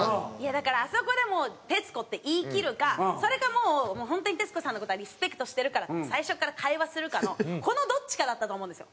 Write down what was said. だからあそこでもう「徹子」って言いきるかそれかホントに徹子さんの事はリスペクトしてるからって最初から会話するかのこのどっちかだったと思うんですよ。